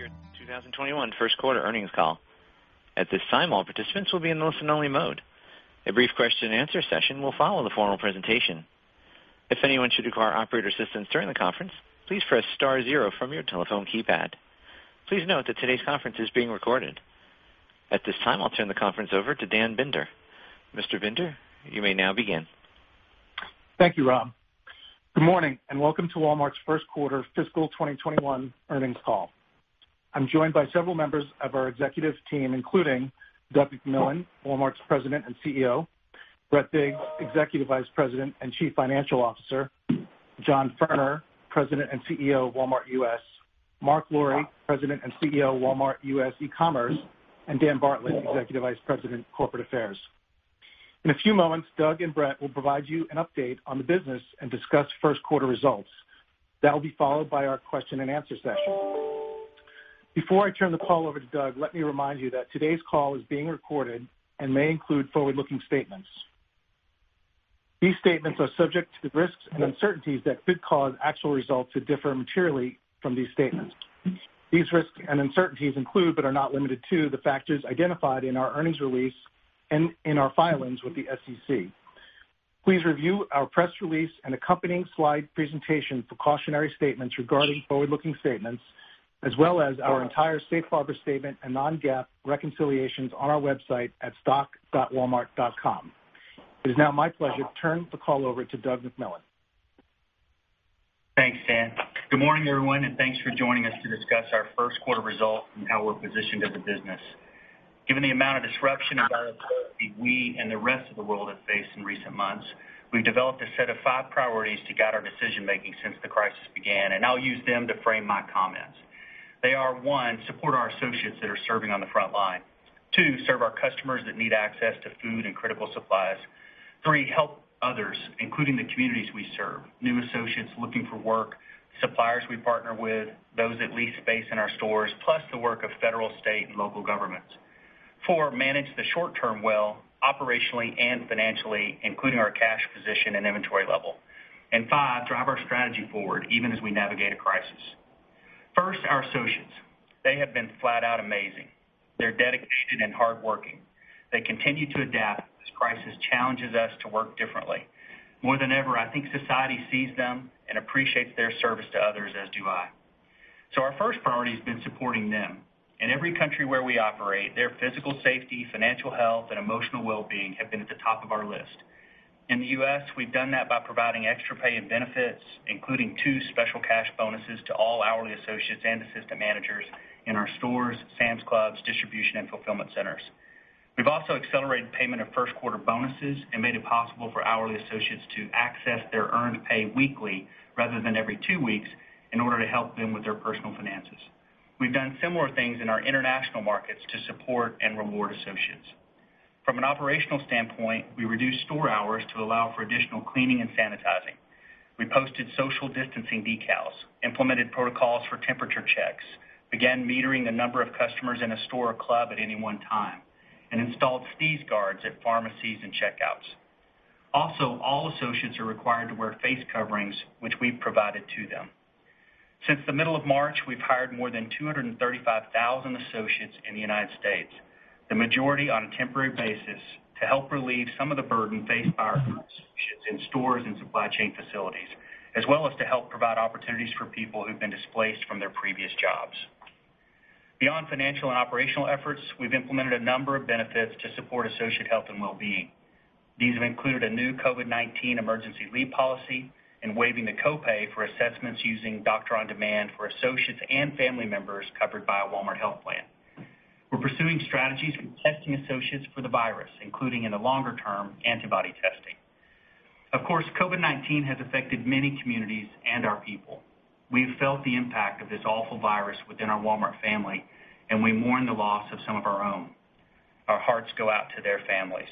Walmart's fiscal year 2021 first quarter earnings call. At this time, all participants will be in listen-only mode. A brief question and answer session will follow the formal presentation. If anyone should require operator assistance during the conference, please press star zero from your telephone keypad. Please note that today's conference is being recorded. At this time, I'll turn the conference over to Dan Binder. Mr. Binder, you may now begin. Thank you, Rob. Good morning, and welcome to Walmart's first quarter fiscal 2021 earnings call. I'm joined by several members of our executive team, including Doug McMillon, Walmart's President and CEO, Brett Biggs, Executive Vice President and Chief Financial Officer, John Furner, President and CEO of Walmart U.S., Marc Lore, President and CEO of Walmart U.S. eCommerce, and Dan Bartlett, Executive Vice President, Corporate Affairs. In a few moments, Doug and Brett will provide you an update on the business and discuss first quarter results. That will be followed by our question and answer session. Before I turn the call over to Doug, let me remind you that today's call is being recorded and may include forward-looking statements. These statements are subject to the risks and uncertainties that could cause actual results to differ materially from these statements. These risks and uncertainties include, but are not limited to, the factors identified in our earnings release and in our filings with the SEC. Please review our press release and accompanying slide presentation for cautionary statements regarding forward-looking statements, as well as our entire safe harbor statement and non-GAAP reconciliations on our website at stock.walmart.com. It is now my pleasure to turn the call over to Doug McMillon. Thanks, Dan. Good morning, everyone, and thanks for joining us to discuss our first quarter results and how we're positioned as a business. Given the amount of disruption and volatility we and the rest of the world have faced in recent months, we've developed a set of five priorities to guide our decision-making since the crisis began, and I'll use them to frame my comments. They are, one, support our associates that are serving on the front line. Two, serve our customers that need access to food and critical supplies. Three, help others, including the communities we serve, new associates looking for work, suppliers we partner with, those that lease space in our stores, plus the work of federal, state, and local governments. Four, manage the short term well, operationally and financially, including our cash position and inventory level. Five, drive our strategy forward, even as we navigate a crisis. First, our associates. They have been flat out amazing. They're dedicated and hardworking. They continue to adapt as crisis challenges us to work differently. More than ever, I think society sees them and appreciates their service to others, as do I. Our first priority has been supporting them. In every country where we operate, their physical safety, financial health, and emotional well-being have been at the top of our list. In the U.S., we've done that by providing extra pay and benefits, including two special cash bonuses to all hourly associates and assistant managers in our stores, Sam's Clubs, distribution, and fulfillment centers. We've also accelerated payment of first quarter bonuses and made it possible for hourly associates to access their earned pay weekly rather than every two weeks in order to help them with their personal finances. We've done similar things in our international markets to support and reward associates. From an operational standpoint, we reduced store hours to allow for additional cleaning and sanitizing. We posted social distancing decals, implemented protocols for temperature checks, began metering the number of customers in a store or club at any one time, and installed sneeze guards at pharmacies and checkouts. Also, all associates are required to wear face coverings, which we've provided to them. Since the middle of March, we've hired more than 235,000 associates in the United States, the majority on a temporary basis, to help relieve some of the burden faced by our associates in stores and supply chain facilities, as well as to help provide opportunities for people who've been displaced from their previous jobs. Beyond financial and operational efforts, we've implemented a number of benefits to support associate health and well-being. These have included a new COVID-19 emergency leave policy and waiving the copay for assessments using Doctor On Demand for associates and family members covered by a Walmart health plan. We're pursuing strategies for testing associates for the virus, including in the longer-term, antibody testing. Of course, COVID-19 has affected many communities and our people. We've felt the impact of this awful virus within our Walmart family, and we mourn the loss of some of our own. Our hearts go out to their families.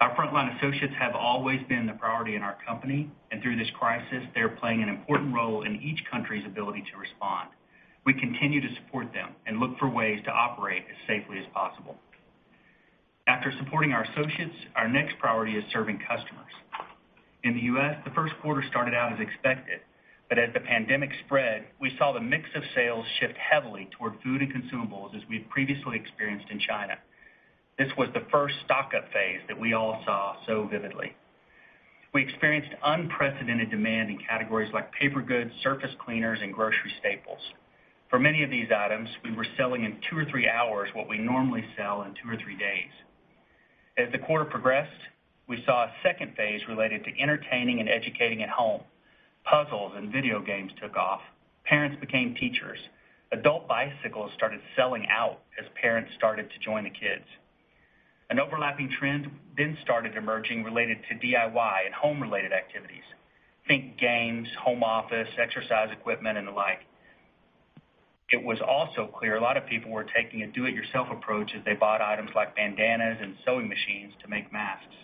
Our frontline associates have always been the priority in our company, and through this crisis, they're playing an important role in each country's ability to respond. We continue to support them and look for ways to operate as safely as possible. After supporting our associates, our next priority is serving customers. In the U.S., the first quarter started out as expected, but as the pandemic spread, we saw the mix of sales shift heavily toward food and consumables as we'd previously experienced in China. This was the first stock-up phase that we all saw so vividly. We experienced unprecedented demand in categories like paper goods, surface cleaners, and grocery staples. For many of these items, we were selling in two or three hours what we normally sell in two or three days. As the quarter progressed, we saw a second phase related to entertaining and educating at home. Puzzles and video games took off. Parents became teachers. Adult bicycles started selling out as parents started to join the kids. An overlapping trend then started emerging related to DIY and home-related activities. Think games, home office, exercise equipment, and the like. It was also clear a lot of people were taking a do-it-yourself approach as they bought items like bandanas and sewing machines to make masks.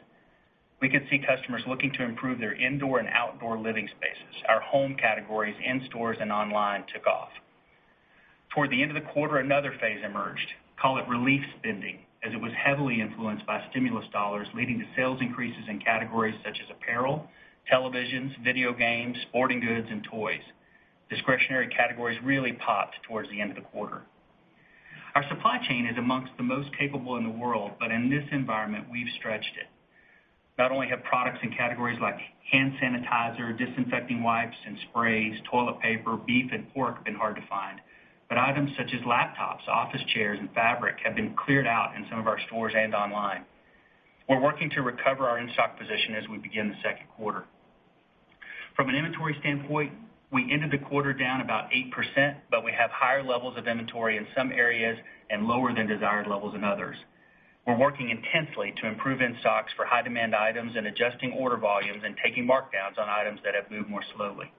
We could see customers looking to improve their indoor and outdoor living spaces. Our home categories in stores and online took off. Toward the end of the quarter, another phase emerged. Call it relief spending, as it was heavily influenced by stimulus dollars, leading to sales increases in categories such as apparel, televisions, video games, sporting goods, and toys. Discretionary categories really popped towards the end of the quarter. Our supply chain is amongst the most capable in the world, but in this environment, we've stretched it. Not only have products in categories like hand sanitizer, disinfecting wipes and sprays, toilet paper, beef, and pork been hard to find, but items such as laptops, office chairs, and fabric have been cleared out in some of our stores and online. We're working to recover our in-stock position as we begin the second quarter. From an inventory standpoint, we ended the quarter down about 8%, but we have higher levels of inventory in some areas and lower than desired levels in others. We're working intensely to improve in-stocks for high-demand items and adjusting order volumes and taking markdowns on items that have moved more slowly.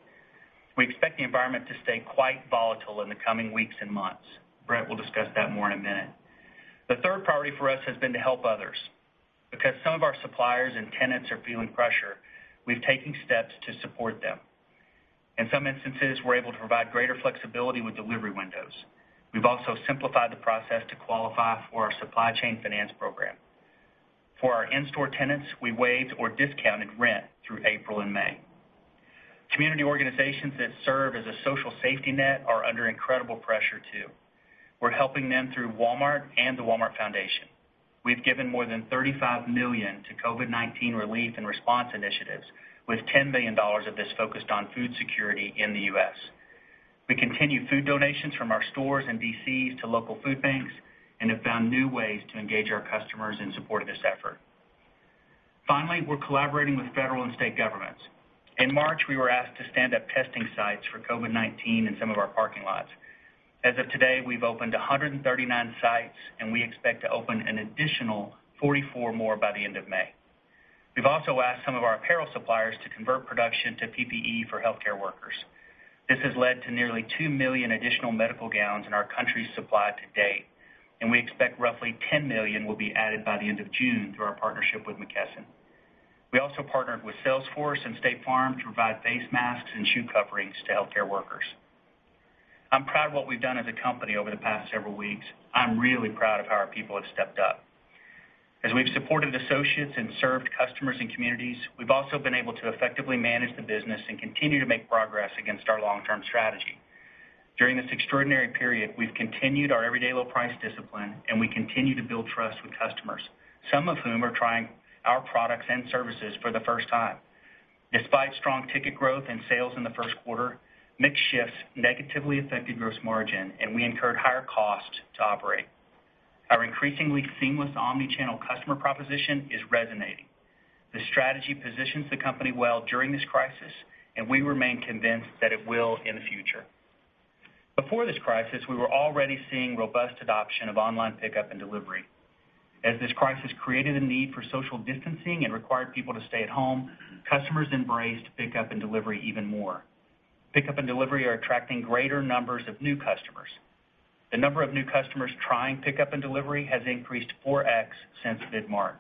We expect the environment to stay quite volatile in the coming weeks and months. Brett will discuss that more in a minute. The third priority for us has been to help others. Because some of our suppliers and tenants are feeling pressure, we've taken steps to support them. In some instances, we're able to provide greater flexibility with delivery windows. We've also simplified the process to qualify for our supply chain finance program. For our in-store tenants, we waived or discounted rent through April and May. Community organizations that serve as a social safety net are under incredible pressure, too. We're helping them through Walmart and the Walmart Foundation. We've given more than $35 million to COVID-19 relief and response initiatives, with $10 million of this focused on food security in the U.S. We continue food donations from our stores and DCs to local food banks and have found new ways to engage our customers in support of this effort. Finally, we're collaborating with federal and state governments. In March, we were asked to stand up testing sites for COVID-19 in some of our parking lots. As of today, we've opened 139 sites, and we expect to open an additional 44 more by the end of May. We've also asked some of our apparel suppliers to convert production to PPE for healthcare workers. This has led to nearly 2 million additional medical gowns in our country's supply to date, and we expect roughly 10 million will be added by the end of June through our partnership with McKesson. We also partnered with Salesforce and State Farm to provide face masks and shoe coverings to healthcare workers. I'm proud of what we've done as a company over the past several weeks. I'm really proud of how our people have stepped up. As we've supported associates and served customers and communities, we've also been able to effectively manage the business and continue to make progress against our long-term strategy. During this extraordinary period, we've continued our everyday low price discipline, and we continue to build trust with customers, some of whom are trying our products and services for the first time. Despite strong ticket growth and sales in the first quarter, mix shifts negatively affected gross margin, and we incurred higher costs to operate. Our increasingly seamless omni-channel customer proposition is resonating. This strategy positions the company well during this crisis, and we remain convinced that it will in the future. Before this crisis, we were already seeing robust adoption of online pickup and delivery. As this crisis created a need for social distancing and required people to stay at home, customers embraced pickup and delivery even more. Pickup and delivery are attracting greater numbers of new customers. The number of new customers trying pickup and delivery has increased 4x since mid-March.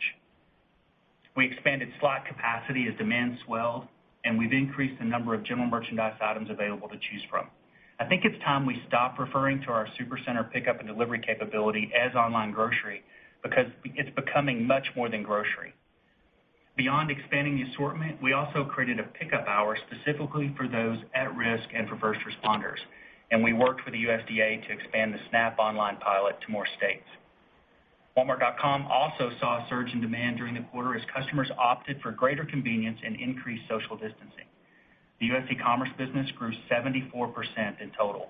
We expanded slot capacity as demand swelled, and we've increased the number of general merchandise items available to choose from. I think it's time we stop referring to our Supercenter pickup and delivery capability as online grocery because it's becoming much more than grocery. Beyond expanding the assortment, we also created a pickup hour specifically for those at risk and for first responders, and we worked with the USDA to expand the SNAP Online pilot to more states. Walmart.com also saw a surge in demand during the quarter as customers opted for greater convenience and increased social distancing. The U.S. e-commerce business grew 74% in total.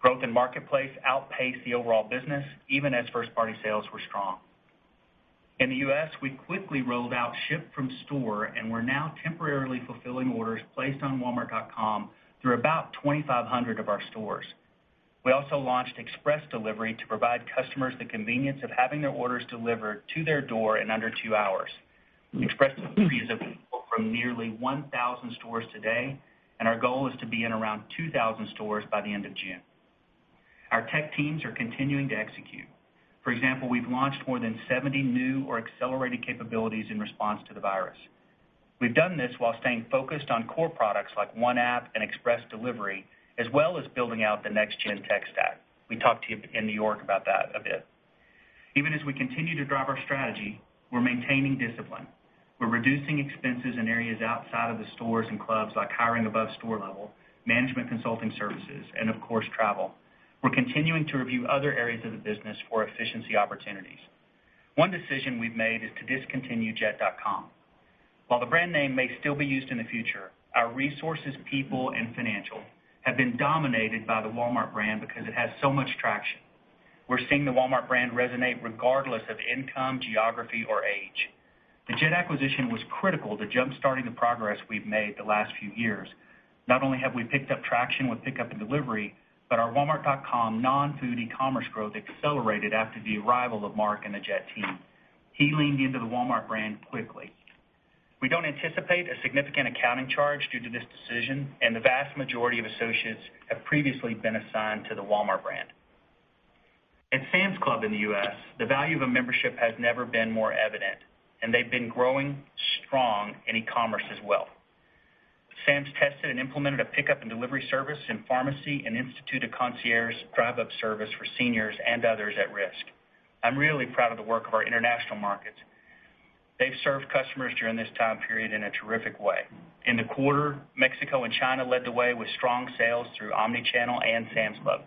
Growth in marketplace outpaced the overall business, even as first-party sales were strong. In the U.S., we quickly rolled out Ship from Store and we're now temporarily fulfilling orders placed on walmart.com through about 2,500 of our stores. We also launched Express Delivery to provide customers the convenience of having their orders delivered to their door in under two hours. Express Delivery is available from nearly 1,000 stores today, and our goal is to be in around 2,000 stores by the end of June. Our tech teams are continuing to execute. For example, we've launched more than 70 new or accelerated capabilities in response to the virus. We've done this while staying focused on core products like One App and Express Delivery, as well as building out the next-gen tech stack. We talked to you in New York about that a bit. Even as we continue to drive our strategy, we're maintaining discipline. We're reducing expenses in areas outside of the stores and clubs, like hiring above store level, management consulting services, and of course, travel. We're continuing to review other areas of the business for efficiency opportunities. One decision we've made is to discontinue jet.com. While the brand name may still be used in the future, our resources, people, and finances have been dominated by the Walmart brand because it has so much traction. We're seeing the Walmart brand resonate regardless of income, geography, or age. The Jet acquisition was critical to jump-starting the progress we've made the last few years. Not only have we picked up traction with pickup and delivery, but our walmart.com non-food e-commerce growth accelerated after the arrival of Marc and the Jet team. He leaned into the Walmart brand quickly. We don't anticipate a significant accounting charge due to this decision, and the vast majority of associates have previously been assigned to the Walmart brand. At Sam's Club in the U.S., the value of a membership has never been more evident, and they've been growing strong in e-commerce as well. Sam's tested and implemented a pickup and delivery service in pharmacy and instituted a concierge drive-up service for seniors and others at risk. I'm really proud of the work of our international markets. They've served customers during this time period in a terrific way. In the quarter, Mexico and China led the way with strong sales through omni-channel and Sam's Club.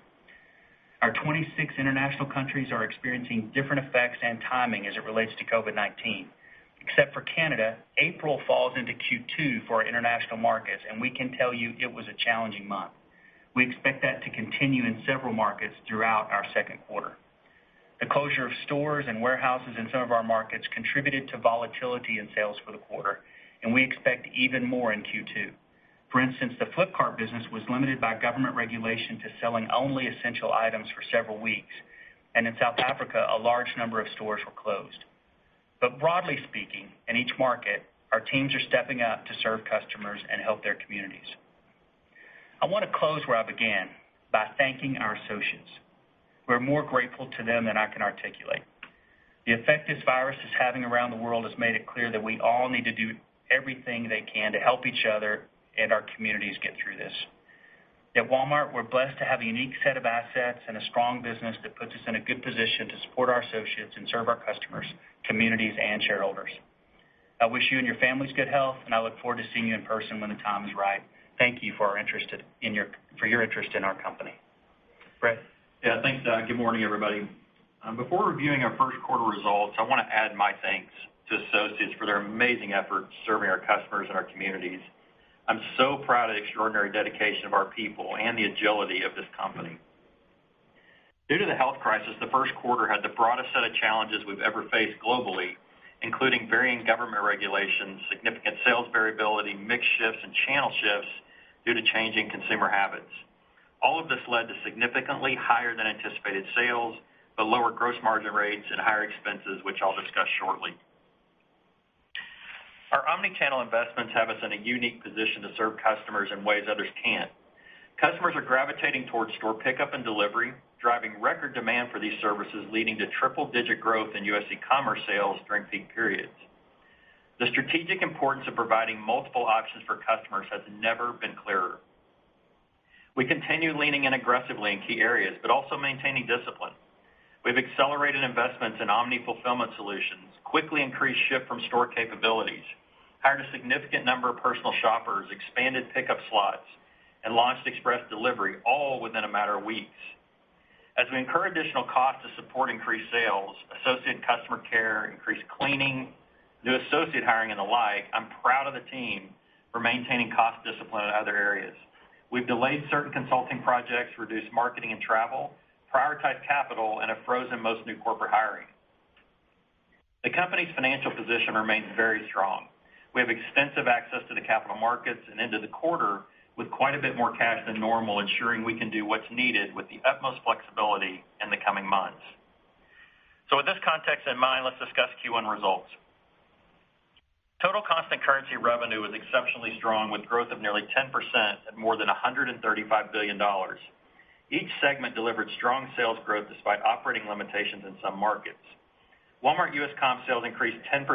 Our 26 international countries are experiencing different effects and timing as it relates to COVID-19. Except for Canada, April falls into Q2 for our international markets, and we can tell you it was a challenging month. We expect that to continue in several markets throughout our second quarter. The closure of stores and warehouses in some of our markets contributed to volatility in sales for the quarter, and we expect even more in Q2. For instance, the Flipkart business was limited by government regulation to selling only essential items for several weeks, and in South Africa, a large number of stores were closed. Broadly speaking, in each market, our teams are stepping up to serve customers and help their communities. I want to close where I began, by thanking our associates. We're more grateful to them than I can articulate. The effect this virus is having around the world has made it clear that we all need to do everything they can to help each other and our communities get through this. At Walmart, we're blessed to have a unique set of assets and a strong business that puts us in a good position to support our associates and serve our customers, communities, and shareholders. I wish you and your families good health, and I look forward to seeing you in person when the time is right. Thank you for your interest in our company. Brett? Yeah. Thanks, Doug. Good morning, everybody. Before reviewing our first quarter results, I want to add my thanks to associates for their amazing efforts serving our customers and our communities. I'm so proud of the extraordinary dedication of our people and the agility of this company. Due to the health crisis, the first quarter had the broadest set of challenges we've ever faced globally, including varying government regulations, significant sales variability, mix shifts, and channel shifts due to changing consumer habits. All of this led to significantly higher than anticipated sales, but lower gross margin rates and higher expenses, which I'll discuss shortly. Our omni-channel investments have us in a unique position to serve customers in ways others can't. Customers are gravitating towards store pickup and delivery, driving record demand for these services, leading to triple-digit growth in U.S. e-commerce sales during peak periods. The strategic importance of providing multiple options for customers has never been clearer. We continue leaning in aggressively in key areas, but also maintaining discipline. We've accelerated investments in omni-fulfillment solutions, quickly increased ship-from-store capabilities, hired a significant number of personal shoppers, expanded pickup slots, and launched express delivery, all within a matter of weeks. As we incur additional costs to support increased sales, associate and customer care, increased cleaning, new associate hiring, and the like, I'm proud of the team for maintaining cost discipline in other areas. We've delayed certain consulting projects, reduced marketing and travel, prioritized capital, and have frozen most new corporate hiring. The company's financial position remains very strong. We have extensive access to the capital markets and into the quarter with quite a bit more cash than normal, ensuring we can do what's needed with the utmost flexibility in the coming months. With this context in mind, let's discuss Q1 results. Total constant currency revenue was exceptionally strong, with growth of nearly 10% at more than $135 billion. Each segment delivered strong sales growth despite operating limitations in some markets. Walmart U.S. comp sales increased 10%,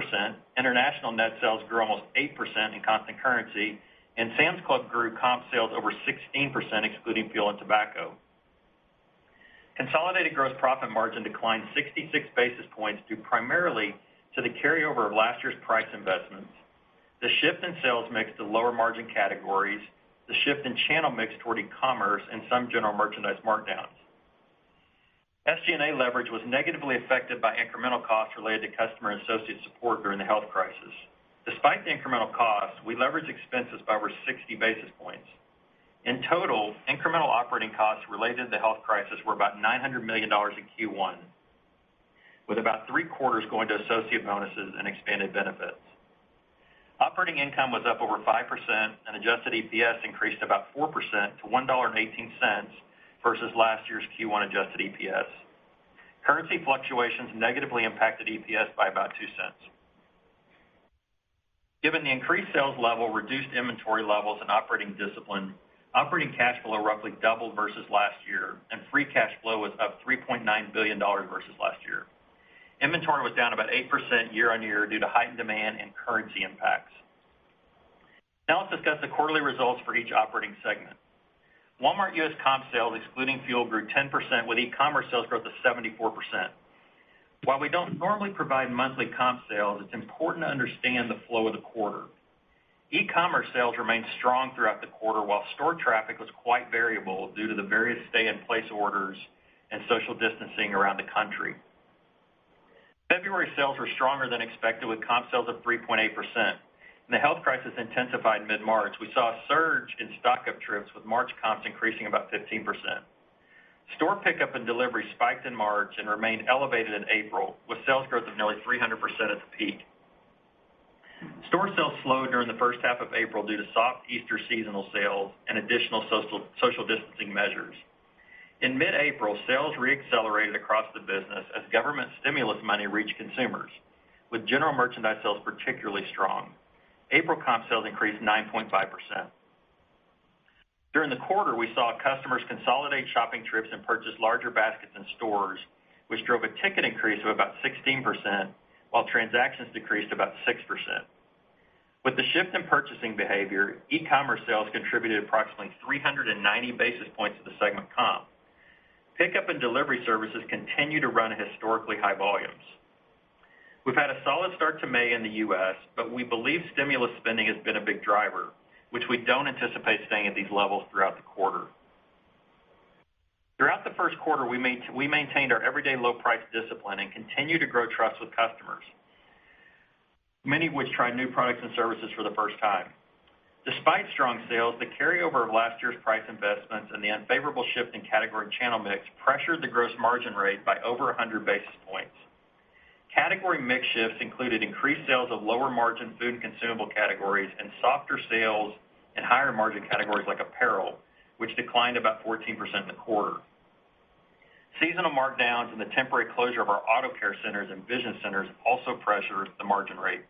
international net sales grew almost 8% in constant currency, and Sam's Club grew comp sales over 16%, excluding fuel and tobacco. Consolidated gross profit margin declined 66 basis points, due primarily to the carryover of last year's price investments, the shift in sales mix to lower-margin categories, the shift in channel mix toward e-commerce, and some general merchandise markdowns. SG&A leverage was negatively affected by incremental costs related to customer and associate support during the health crisis. Despite the incremental costs, we leveraged expenses by over 60 basis points. In total, incremental operating costs related to the health crisis were about $900 million in Q1, with about three-quarters going to associate bonuses and expanded benefits. Operating income was up over 5% and adjusted EPS increased about 4% to $1.18 versus last year's Q1 adjusted EPS. Currency fluctuations negatively impacted EPS by about two cents. Given the increased sales level, reduced inventory levels, and operating discipline, operating cash flow roughly doubled versus last year, and free cash flow was up $3.9 billion versus last year. Inventory was down about 8% year-over-year due to heightened demand and currency impacts. Now let's discuss the quarterly results for each operating segment. Walmart U.S. comp sales, excluding fuel, grew 10% with e-commerce sales growth of 74%. While we don't normally provide monthly comp sales, it's important to understand the flow of the quarter. E-commerce sales remained strong throughout the quarter, while store traffic was quite variable due to the various stay-in-place orders and social distancing around the country. February sales were stronger than expected with comp sales of 3.8%. When the health crisis intensified mid-March, we saw a surge in stock-up trips with March comps increasing about 15%. Store pickup and delivery spiked in March and remained elevated in April, with sales growth of nearly 300% at the peak. Store sales slowed during the first half of April due to soft Easter seasonal sales and additional social distancing measures. In mid-April, sales re-accelerated across the business as government stimulus money reached consumers, with general merchandise sales particularly strong. April comp sales increased 9.5%. During the quarter, we saw customers consolidate shopping trips and purchase larger baskets in stores, which drove a ticket increase of about 16%, while transactions decreased about 6%. With the shift in purchasing behavior, e-commerce sales contributed approximately 390 basis points to the segment comp. Pickup and delivery services continue to run at historically high volumes. We've had a solid start to May in the U.S., but we believe stimulus spending has been a big driver, which we don't anticipate staying at these levels throughout the quarter. Throughout the first quarter, we maintained our everyday low price discipline and continued to grow trust with customers, many of which tried new products and services for the first time. Despite strong sales, the carryover of last year's price investments and the unfavorable shift in category and channel mix pressured the gross margin rate by over 100 basis points. Category mix shifts included increased sales of lower margin food and consumable categories and softer sales in higher margin categories like apparel, which declined about 14% in the quarter. Seasonal markdowns and the temporary closure of our auto care centers and vision centers also pressured the margin rate.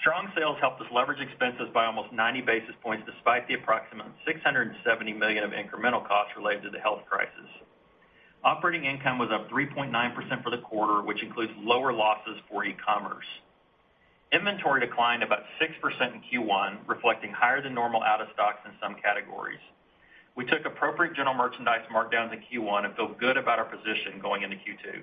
Strong sales helped us leverage expenses by almost 90 basis points, despite the approximate $670 million of incremental costs related to the health crisis. Operating income was up 3.9% for the quarter, which includes lower losses for e-commerce. Inventory declined about 6% in Q1, reflecting higher than normal out of stocks in some categories. We took appropriate general merchandise markdowns in Q1 and feel good about our position going into Q2.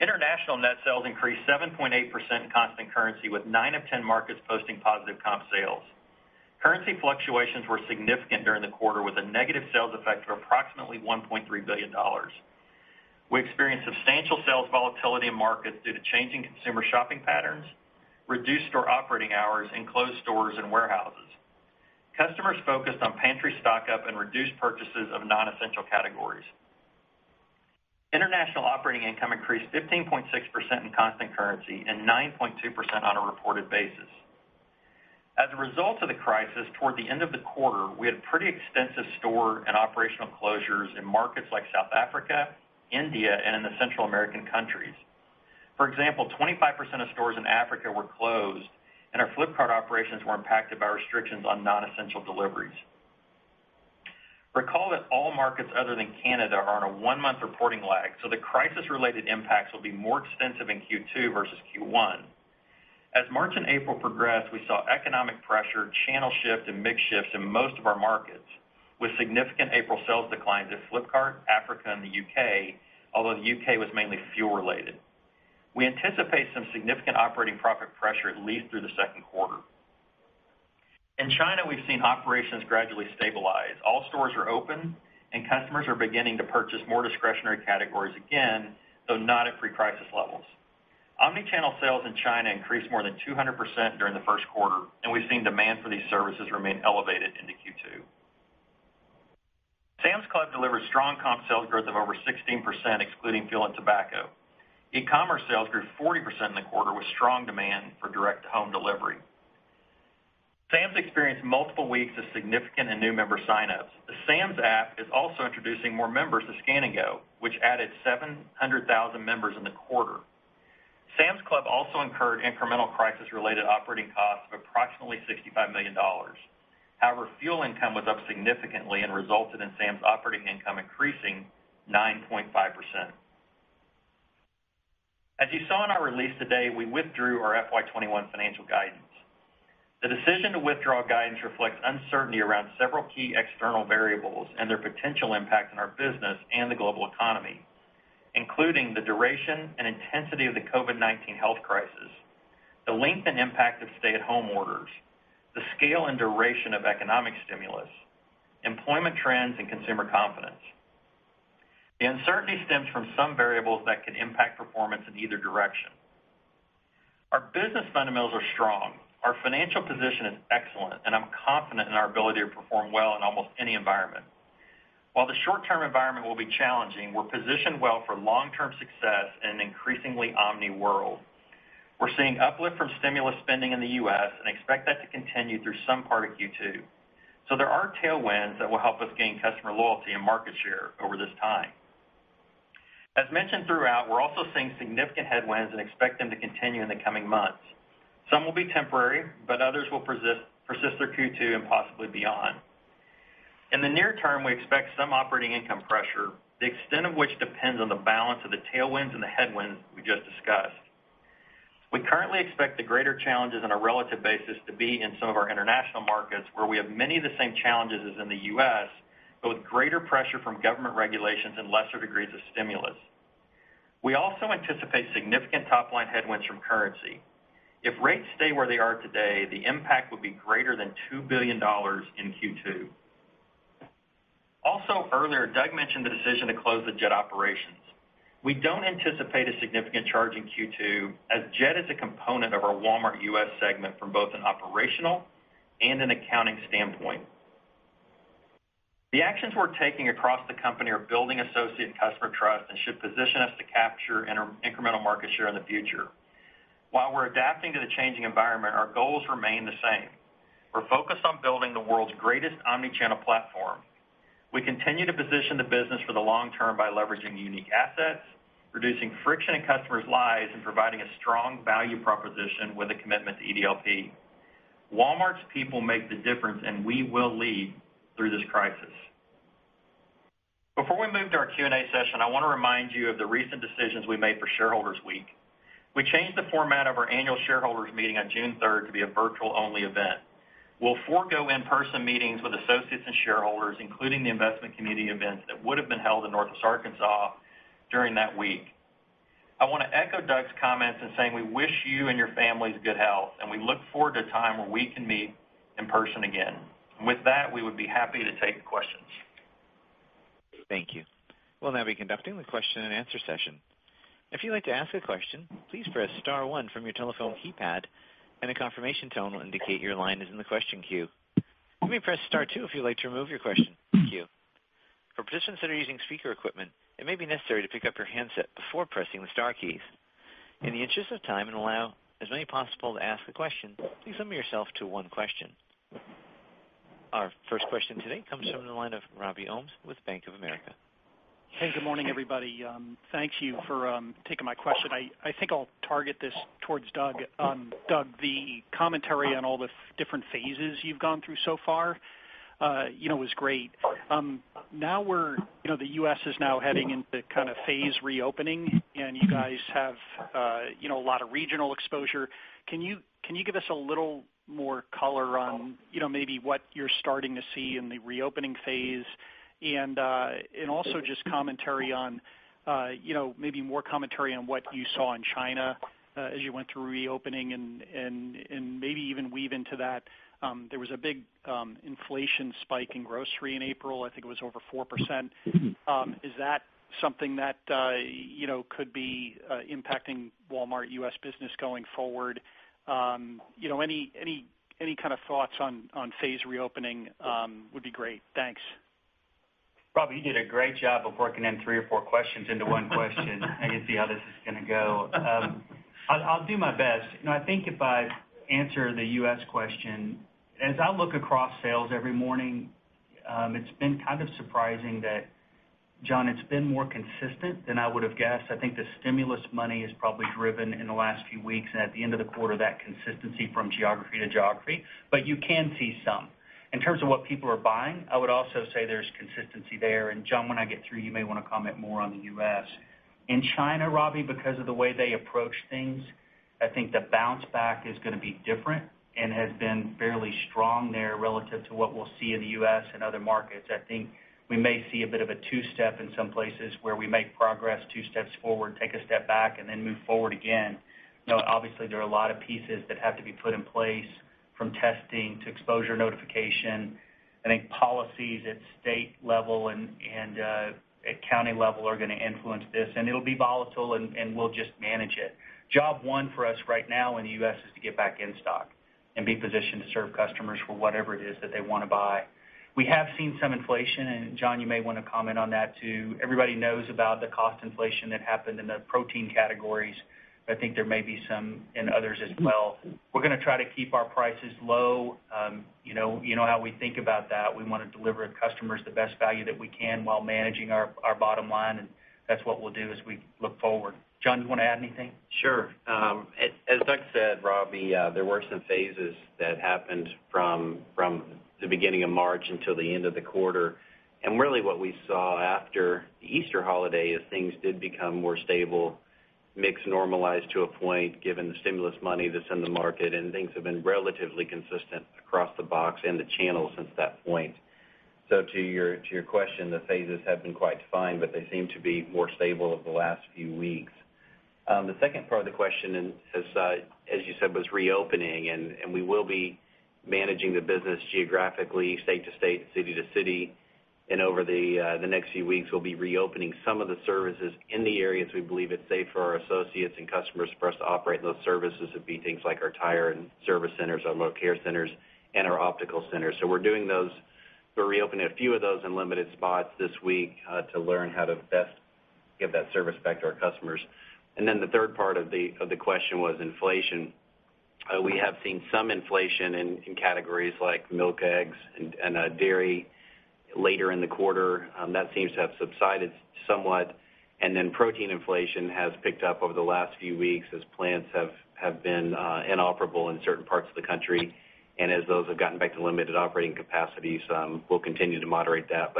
International net sales increased 7.8% constant currency with nine of 10 markets posting positive comp sales. Currency fluctuations were significant during the quarter, with a negative sales effect of approximately $1.3 billion. We experienced substantial sales volatility in markets due to changing consumer shopping patterns, reduced store operating hours, and closed stores and warehouses. Customers focused on pantry stock-up and reduced purchases of non-essential categories. International operating income increased 15.6% in constant currency and 9.2% on a reported basis. As a result of the crisis, toward the end of the quarter, we had pretty extensive store and operational closures in markets like South Africa, India, and in the Central American countries. For example, 25% of stores in Africa were closed, and our Flipkart operations were impacted by restrictions on non-essential deliveries. Recall that all markets other than Canada are on a one-month reporting lag, so the crisis-related impacts will be more extensive in Q2 versus Q1. As March and April progressed, we saw economic pressure, channel shift, and mix shifts in most of our markets, with significant April sales declines at Flipkart, Africa, and the U.K., although the U.K. was mainly fuel related. We anticipate some significant operating profit pressure at least through the second quarter. In China, we've seen operations gradually stabilize. All stores are open, and customers are beginning to purchase more discretionary categories again, though not at pre-crisis levels. Omnichannel sales in China increased more than 200% during the first quarter, and we've seen demand for these services remain elevated into Q2. Sam's Club delivered strong comp sales growth of over 16%, excluding fuel and tobacco. E-commerce sales grew 40% in the quarter with strong demand for direct home delivery. Sam's experienced multiple weeks of significant and new member sign-ups. The Sam's app is also introducing more members to Scan & Go, which added 700,000 members in the quarter. Sam's Club also incurred incremental crisis-related operating costs of approximately $65 million. However, fuel income was up significantly and resulted in Sam's operating income increasing 9.5%. As you saw in our release today, we withdrew our FY '21 financial guidance. The decision to withdraw guidance reflects uncertainty around several key external variables and their potential impact on our business and the global economy, including the duration and intensity of the COVID-19 health crisis, the length and impact of stay-at-home orders, the scale and duration of economic stimulus, employment trends, and consumer confidence. The uncertainty stems from some variables that could impact performance in either direction. Our business fundamentals are strong. Our financial position is excellent, and I'm confident in our ability to perform well in almost any environment. While the short-term environment will be challenging, we're positioned well for long-term success in an increasingly omni world. We're seeing uplift from stimulus spending in the U.S. and expect that to continue through some part of Q2. There are tailwinds that will help us gain customer loyalty and market share over this time. As mentioned throughout, we're also seeing significant headwinds and expect them to continue in the coming months. Some will be temporary, but others will persist through Q2 and possibly beyond. In the near term, we expect some operating income pressure, the extent of which depends on the balance of the tailwinds and the headwinds we just discussed. We currently expect the greater challenges on a relative basis to be in some of our international markets, where we have many of the same challenges as in the U.S., but with greater pressure from government regulations and lesser degrees of stimulus. We also anticipate significant top-line headwinds from currency. If rates stay where they are today, the impact would be greater than $2 billion in Q2. Also earlier, Doug mentioned the decision to close the Jet operations. We don't anticipate a significant charge in Q2, as Jet is a component of our Walmart US segment from both an operational and an accounting standpoint. The actions we're taking across the company are building associate and customer trust and should position us to capture incremental market share in the future. While we're adapting to the changing environment, our goals remain the same. We're focused on World's greatest omni-channel platform. We continue to position the business for the long term by leveraging unique assets, reducing friction in customers' lives, and providing a strong value proposition with a commitment to EDLP. Walmart's people make the difference, and we will lead through this crisis. Before we move to our Q&A session, I want to remind you of the recent decisions we made for Associates Week. We changed the format of our annual Shareholders' Meeting on June 3rd to be a virtual-only event. We'll forego in-person meetings with associates and shareholders, including the investment community events that would've been held in Northwest Arkansas during that week. I want to echo Doug's comments in saying we wish you and your families good health, and we look forward to a time where we can meet in person again. With that, we would be happy to take questions. Thank you. We'll now be conducting the question and answer session. If you'd like to ask a question, please press star one from your telephone keypad, and a confirmation tone will indicate your line is in the question queue. You may press star two if you'd like to remove your question queue. For participants that are using speaker equipment, it may be necessary to pick up your handset before pressing the star keys. In the interest of time, and allow as many possible to ask a question, please limit yourself to one question. Our first question today comes from the line of Robert Ohmes with Bank of America. Hey, good morning, everybody. Thank you for taking my question. I think I'll target this towards Doug. Doug, the commentary on all the different phases you've gone through so far was great. Now the U.S. is now heading into kind of phase reopening, and you guys have a lot of regional exposure. Can you give us a little more color on maybe what you're starting to see in the reopening phase and also just maybe more commentary on what you saw in China as you went through reopening and maybe even weave into that. There was a big inflation spike in grocery in April, I think it was over 4%. Is that something that could be impacting Walmart U.S. business going forward? Any kind of thoughts on phase reopening would be great. Thanks. Robbie, you did a great job of working in three or four questions into one question. You see how this is going to go. I'll do my best. I think if I answer the U.S. question, as I look across sales every morning, it's been kind of surprising that, John, it's been more consistent than I would've guessed. I think the stimulus money has probably driven in the last few weeks and at the end of the quarter, that consistency from geography to geography, but you can see some. In terms of what people are buying, I would also say there's consistency there. John, when I get through, you may want to comment more on the U.S. In China, Robbie, because of the way they approach things, I think the bounce back is going to be different and has been fairly strong there relative to what we'll see in the U.S. and other markets. I think we may see a bit of a two-step in some places where we make progress two steps forward, take a step back, and then move forward again. Obviously, there are a lot of pieces that have to be put in place from testing to exposure notification. I think policies at state level and at county level are going to influence this, and it'll be volatile, and we'll just manage it. Job one for us right now in the U.S. is to get back in stock and be positioned to serve customers for whatever it is that they want to buy. We have seen some inflation, and John, you may want to comment on that, too. Everybody knows about the cost inflation that happened in the protein categories. I think there may be some in others as well. We're going to try to keep our prices low. You know how we think about that. We want to deliver customers the best value that we can while managing our bottom line, and that's what we'll do as we look forward. John, do you want to add anything? Sure. As Doug said, Robbie, there were some phases that happened from the beginning of March until the end of the quarter. Really what we saw after the Easter holiday is things did become more stable, mix normalized to a point given the stimulus money that's in the market, and things have been relatively consistent across the box and the channel since that point. To your question, the phases have been quite fine, but they seem to be more stable over the last few weeks. The second part of the question is, as you said, was reopening, and we will be managing the business geographically, state to state, city to city. Over the next few weeks, we'll be reopening some of the services in the areas we believe it's safe for our associates and customers for us to operate in those services. It'd be things like our tire and service centers, our mobile care centers, and our optical centers. We're doing those. We're reopening a few of those in limited spots this week to learn how to best give that service back to our customers. The third part of the question was inflation. We have seen some inflation in categories like milk, eggs, and dairy later in the quarter. That seems to have subsided somewhat. Protein inflation has picked up over the last few weeks as plants have been inoperable in certain parts of the country. As those have gotten back to limited operating capacity, we'll continue to moderate that.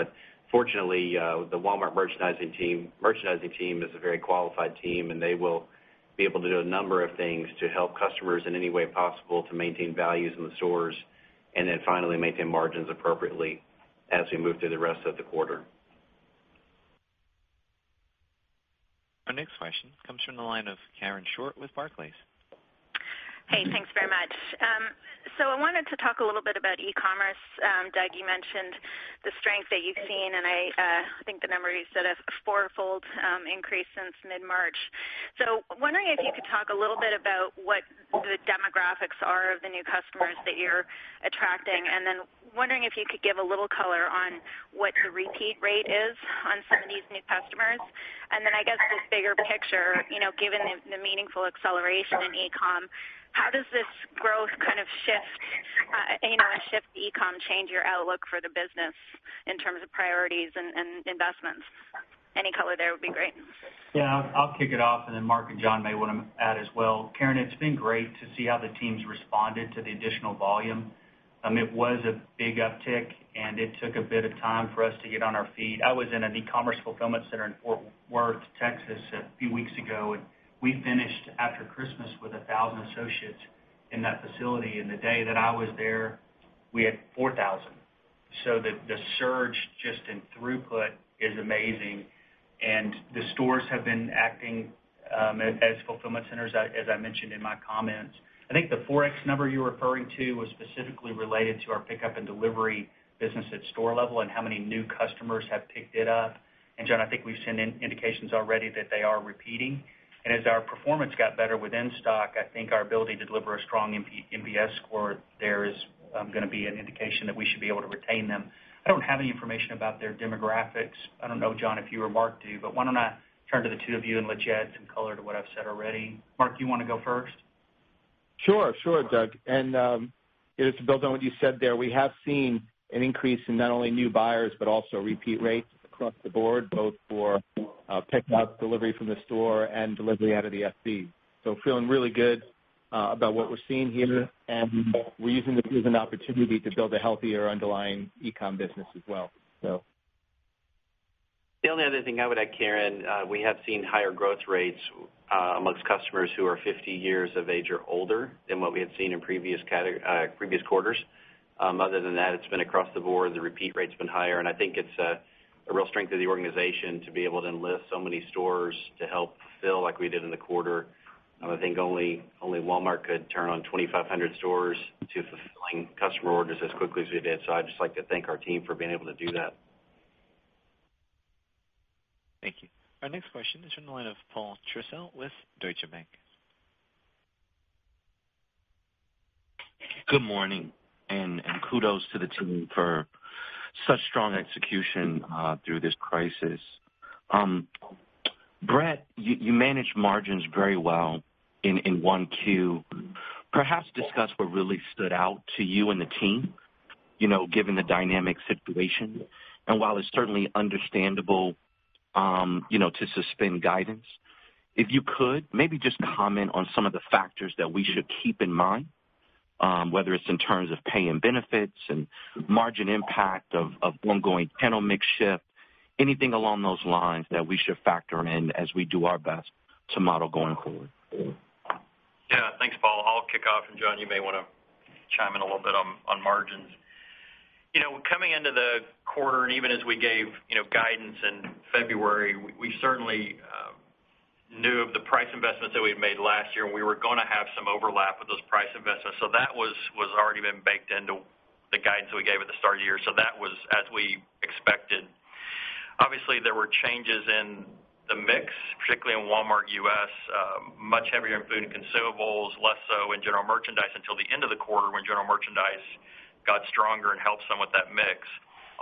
Fortunately, the Walmart merchandising team is a very qualified team, and they will be able to do a number of things to help customers in any way possible to maintain values in the stores, and then finally maintain margins appropriately as we move through the rest of the quarter. Our next question comes from the line of Karen Short with Barclays. Hey. Thanks very much. I wanted to talk a little bit about e-commerce. Doug, you mentioned the strength that you've seen, and I think the number you said, a fourfold increase since mid-March. Wondering if you could talk a little bit about what the demographics are of the new customers that you're attracting, and then wondering if you could give a little color on what the repeat rate is on some of these new customers. I guess the bigger picture, given the meaningful acceleration in e-com. How does this growth kind of shift e-com, change your outlook for the business in terms of priorities and investments? Any color there would be great. Yeah, I'll kick it off, and then Marc and John may want to add as well. Karen, it's been great to see how the team's responded to the additional volume. It was a big uptick, and it took a bit of time for us to get on our feet. I was in an e-commerce fulfillment center in Fort Worth, Texas, a few weeks ago, and we finished after Christmas with 1,000 associates in that facility. The day that I was there, we had 4,000. The surge just in throughput is amazing. The stores have been acting as fulfillment centers, as I mentioned in my comments. I think the 4X number you're referring to was specifically related to our pickup and delivery business at store level and how many new customers have picked it up. John, I think we've seen indications already that they are repeating. as our performance got better within stock, I think our ability to deliver a strong NPS score there is going to be an indication that we should be able to retain them. I don't have any information about their demographics. I don't know, John, if you or Marc do, but why don't I turn to the two of you and let you add some color to what I've said already. Marc, you want to go first? Sure. Doug. Just to build on what you said there, we have seen an increase in not only new buyers, but also repeat rates across the board, both for pickup delivery from the store and delivery out of the FC. Feeling really good about what we're seeing here, and we're using this as an opportunity to build a healthier underlying e-com business as well. The only other thing I would add, Karen, we have seen higher growth rates amongst customers who are 50 years of age or older than what we had seen in previous quarters. Other than that, it's been across the board. The repeat rate's been higher, and I think it's a real strength of the organization to be able to enlist so many stores to help fulfill like we did in the quarter. I think only Walmart could turn on 2,500 stores to fulfilling customer orders as quickly as we did. I'd just like to thank our team for being able to do that. Thank you. Our next question is from the line of Paul Lejuez with Citi. Good morning, and kudos to the team for such strong execution through this crisis. Brett, you managed margins very well in 1Q. Perhaps discuss what really stood out to you and the team, given the dynamic situation. While it's certainly understandable to suspend guidance, if you could, maybe just comment on some of the factors that we should keep in mind, whether it's in terms of pay and benefits and margin impact of ongoing channel mix shift, anything along those lines that we should factor in as we do our best to model going forward. Yeah. Thanks, Paul. I'll kick off, and John, you may want to chime in a little bit on margins. Coming into the quarter, and even as we gave guidance in February, we certainly knew of the price investments that we had made last year, and we were going to have some overlap with those price investments. that was already been baked into the guidance we gave at the start of the year. that was as we expected. Obviously, there were changes in the mix, particularly in Walmart U.S., much heavier in food and consumables, less so in general merchandise until the end of the quarter when general merchandise got stronger and helped some with that mix.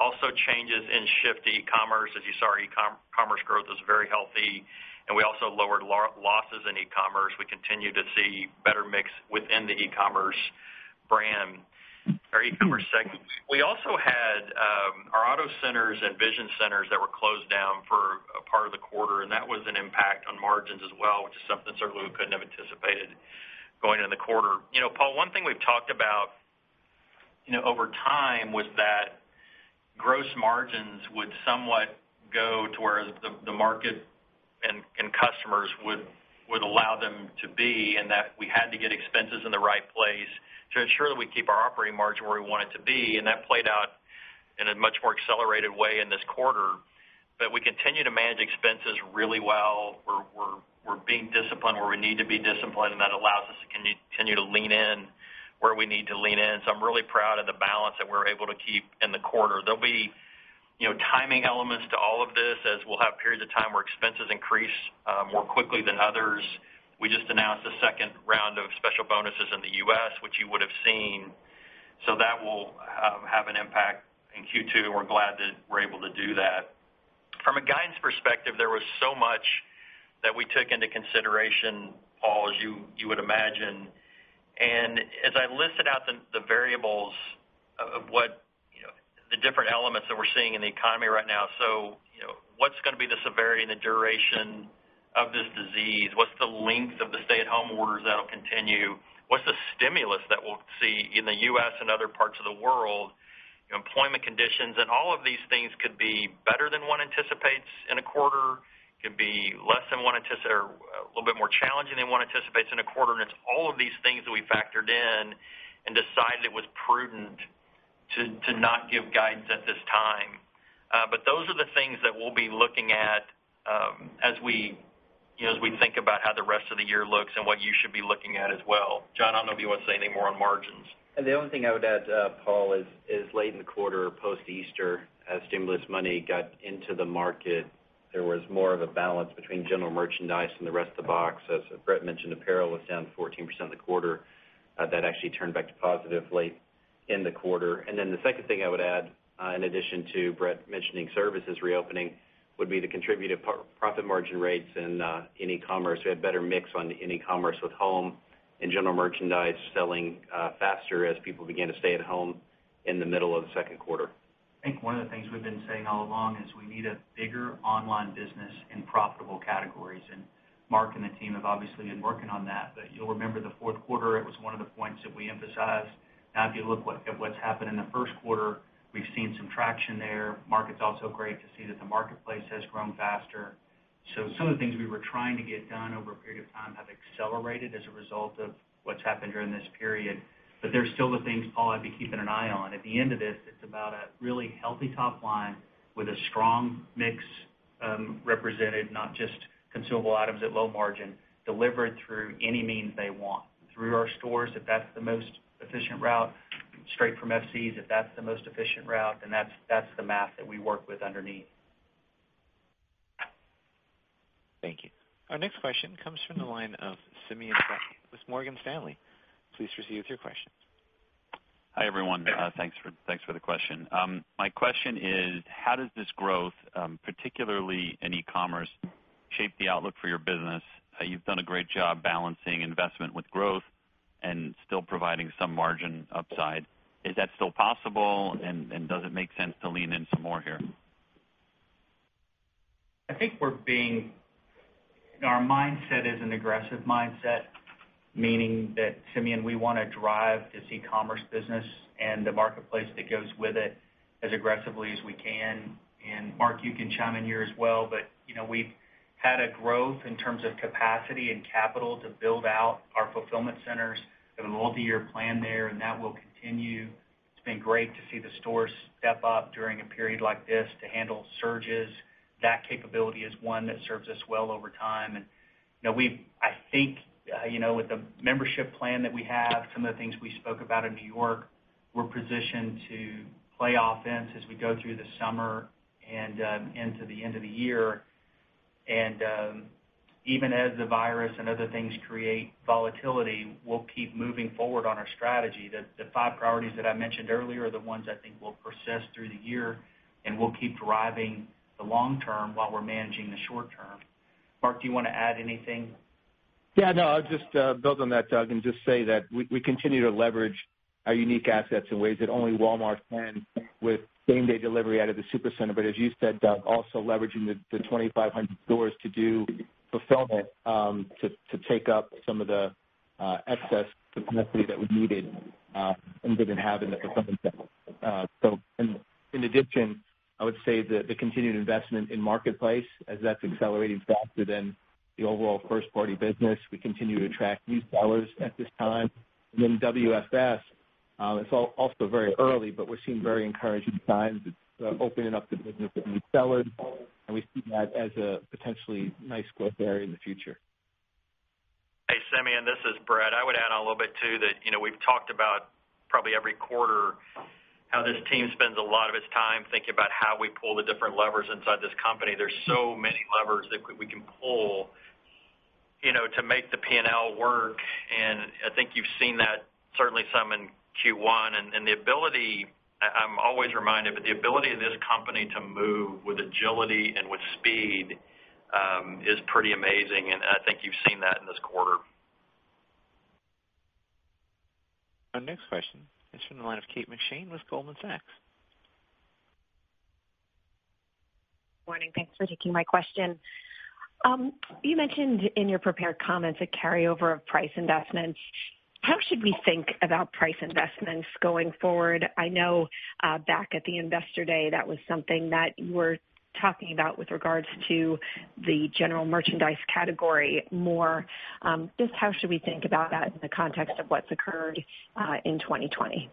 Also changes in shift to e-commerce. As you saw, our e-commerce growth was very healthy, and we also lowered losses in e-commerce. We continue to see better mix within the e-commerce brand or e-commerce segment. We also had our auto centers and vision centers that were closed down for a part of the quarter, and that was an impact on margins as well, which is something certainly we couldn't have anticipated going into the quarter. Paul, one thing we've talked about over time was that gross margins would somewhat go to where the market and customers would allow them to be, and that we had to get expenses in the right place to ensure that we keep our operating margin where we want it to be. That played out in a much more accelerated way in this quarter. We continue to manage expenses really well. We're being disciplined where we need to be disciplined, and that allows us to continue to lean in where we need to lean in. I'm really proud of the balance that we're able to keep in the quarter. There'll be timing elements to all of this as we'll have periods of time where expenses increase more quickly than others. We just announced the second round of special bonuses in the U.S., which you would have seen. That will have an impact in Q2, and we're glad that we're able to do that. From a guidance perspective, there was so much that we took into consideration, Paul, as you would imagine. As I listed out the variables of the different elements that we're seeing in the economy right now. What's going to be the severity and the duration of this disease? What's the length of the stay-at-home orders that'll continue? What's the stimulus that we'll see in the U.S. and other parts of the world? Employment conditions and all of these things could be better than one anticipates in a quarter. It could be a little bit more challenging than one anticipates in a quarter. It's all of these things that we factored in and decided it was prudent to not give guidance at this time. Those are the things that we'll be looking at as we think about how the rest of the year looks and what you should be looking at as well. John, I don't know if you want to say any more on margins. The only thing I would add, Paul, is late in the quarter post Easter, as stimulus money got into the market, there was more of a balance between general merchandise and the rest of the box. As Brett mentioned, apparel was down 14% in the quarter. That actually turned back to positive late in the quarter. Then the second thing I would add, in addition to Brett mentioning services reopening, would be the contributive profit margin rates in e-commerce. We had better mix on the e-commerce with home and general merchandise selling faster as people began to stay at home in the middle of the second quarter. I think one of the things we've been saying all along is we need a bigger online business in profitable categories, and Marc and the team have obviously been working on that. You'll remember the fourth quarter, it was one of the points that we emphasized. Now, if you look at what's happened in the first quarter, we've seen some traction there. Marc, it's also great to see that the marketplace has grown faster. Some of the things we were trying to get done over a period of time have accelerated as a result of what's happened during this period. There's still the things, Paul, I'd be keeping an eye on. At the end of this, it's about a really healthy top line with a strong mix represented, not just consumable items at low margin, delivered through any means they want. Through our stores, if that's the most efficient route, straight from FC's, if that's the most efficient route, then that's the math that we work with underneath. Thank you. Our next question comes from the line of Simeon Gutman with Morgan Stanley. Please proceed with your question. Hi, everyone. Thanks for the question. My question is, how does this growth, particularly in e-commerce, shape the outlook for your business? You've done a great job balancing investment with growth and still providing some margin upside. Is that still possible and does it make sense to lean in some more here? I think our mindset is an aggressive mindset, meaning that, Simeon, we want to drive this e-commerce business and the marketplace that goes with it as aggressively as we can. Marc, you can chime in here as well, but we've had a growth in terms of capacity and capital to build out our fulfillment centers. We have a multi-year plan there, and that will continue. It's been great to see the stores step up during a period like this to handle surges. That capability is one that serves us well over time. I think, with the membership plan that we have, some of the things we spoke about in New York, we're positioned to play offense as we go through the summer and into the end of the year. Even as the virus and other things create volatility, we'll keep moving forward on our strategy. The five priorities that I mentioned earlier are the ones I think will persist through the year, and we'll keep driving the long term while we're managing the short term. Mark, do you want to add anything? Yeah. No, I'll just build on that, Doug, and just say that we continue to leverage our unique assets in ways that only Walmart can with same-day delivery out of the Supercenter. as you said, Doug, also leveraging the 2,500 stores to do fulfillment to take up some of the excess capacity that we needed and didn't have in the fulfillment center. in addition, I would say that the continued investment in marketplace, as that's accelerating faster than the overall first-party business, we continue to attract new sellers at this time. WFS, it's also very early, but we're seeing very encouraging signs. It's opening up the business with new sellers, and we see that as a potentially nice growth area in the future. Hey, Simeon, this is Brett. I would add a little bit, too, that we've talked about probably every quarter how this team spends a lot of its time thinking about how we pull the different levers inside this company. There's so many levers that we can pull to make the P&L work, and I think you've seen that certainly some in Q1. The ability, I'm always reminded, but the ability of this company to move with agility and with speed is pretty amazing, and I think you've seen that in this quarter. Our next question is from the line of Kate McShane with Goldman Sachs. Morning. Thanks for taking my question. You mentioned in your prepared comments a carryover of price investments. How should we think about price investments going forward? I know back at the investor day, that was something that you were talking about with regards to the general merchandise category more. Just how should we think about that in the context of what's occurred in 2020?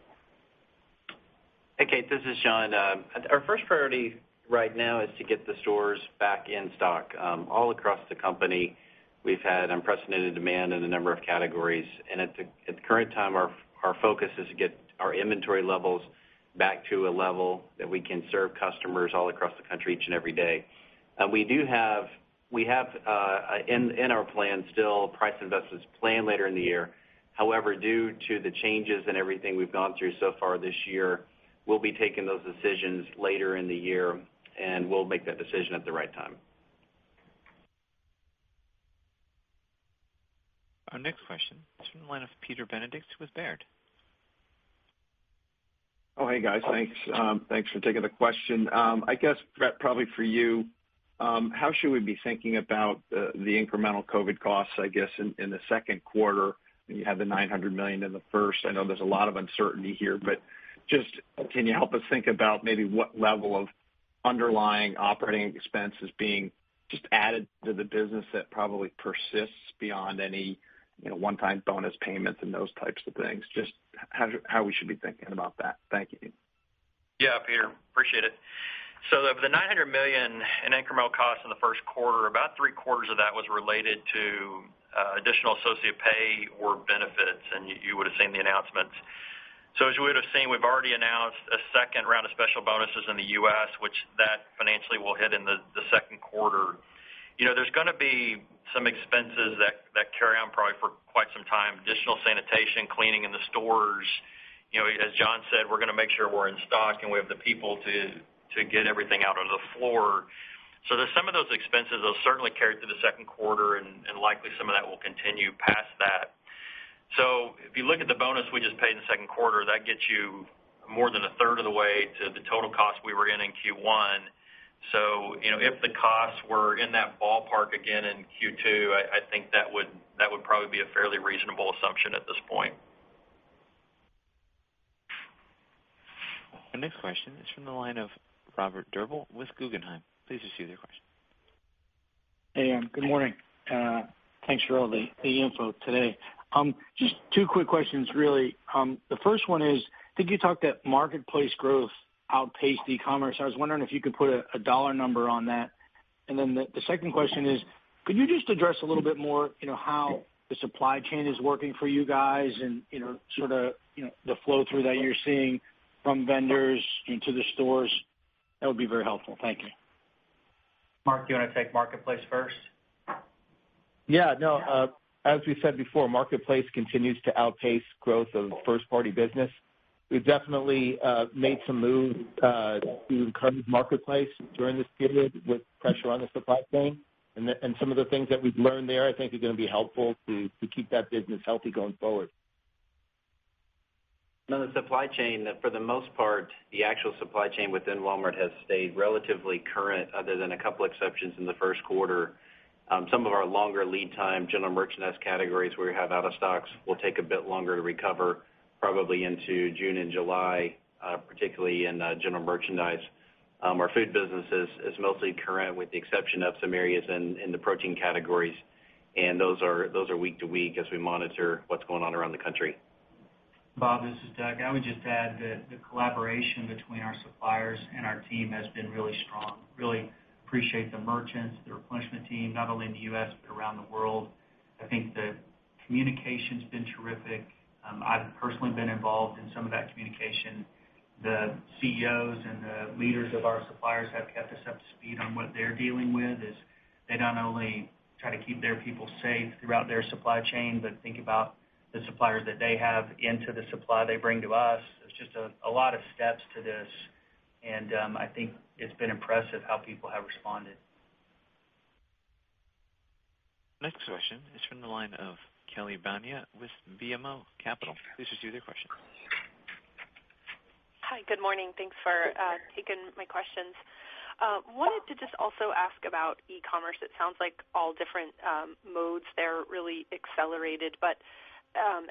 Hey, Kate, this is John. Our first priority right now is to get the stores back in stock. All across the company, we've had unprecedented demand in a number of categories, and at the current time, our focus is to get our inventory levels back to a level that we can serve customers all across the country each and every day. We have in our plan still price investments planned later in the year. However, due to the changes and everything we've gone through so far this year, we'll be taking those decisions later in the year, and we'll make that decision at the right time. Our next question is from the line of Peter Benedict with Baird. Oh, hey, guys. Thanks for taking the question. I guess, Brett, probably for you, how should we be thinking about the incremental COVID costs, I guess, in the second quarter when you had the $900 million in the first? I know there's a lot of uncertainty here, but just can you help us think about maybe what level of underlying operating expense is being just added to the business that probably persists beyond any one-time bonus payments and those types of things? Just how we should be thinking about that. Thank you. Yeah, Peter, appreciate it. Of the $900 million in incremental cost in the first quarter, about three quarters of that was related to additional associate pay or benefits, and you would've seen the announcements. As you would've seen, we've already announced a second round of special bonuses in the U.S., which that financially will hit in the. There's going to be some expenses that carry on probably for quite some time. Additional sanitation, cleaning in the stores. As John said, we're going to make sure we're in stock and we have the people to get everything out on the floor. There's some of those expenses that'll certainly carry to the second quarter, and likely some of that will continue past that. If you look at the bonus we just paid in the second quarter, that gets you more than a third of the way to the total cost we were in Q1. If the costs were in that ballpark again in Q2, I think that would probably be a fairly reasonable assumption at this point. The next question is from the line of Robert Drbul with Guggenheim. Please proceed with your question. Hey, good morning. Thanks for all the info today. Just two quick questions really. The first one is, I think you talked that marketplace growth outpaced e-commerce. I was wondering if you could put a dollar number on that. The second question is, could you just address a little bit more how the supply chain is working for you guys and sort of the flow-through that you're seeing from vendors into the stores? That would be very helpful. Thank you. Mark, do you want to take marketplace first? Yeah, no. As we said before, marketplace continues to outpace growth of first-party business. We've definitely made some moves to encourage marketplace during this period with pressure on the supply chain, and some of the things that we've learned there, I think, are going to be helpful to keep that business healthy going forward. On the supply chain, for the most part, the actual supply chain within Walmart has stayed relatively current, other than a couple of exceptions in the first quarter. Some of our longer lead time general merchandise categories where we have out of stocks will take a bit longer to recover, probably into June and July, particularly in general merchandise. Those are week to week as we monitor what's going on around the country. Bob, this is Doug. I would just add that the collaboration between our suppliers and our team has been really strong. Really appreciate the merchants, the replenishment team, not only in the U.S. but around the world. I think the communication's been terrific. I've personally been involved in some of that communication. The CEOs and the leaders of our suppliers have kept us up to speed on what they're dealing with as they not only try to keep their people safe throughout their supply chain, but think about the suppliers that they have into the supply they bring to us. There's just a lot of steps to this, and I think it's been impressive how people have responded. Next question is from the line of Kelly Bania with BMO Capital. Please proceed with your question. Hi. Good morning. Thanks for taking my questions. Wanted to just also ask about e-commerce. It sounds like all different modes there really accelerated, but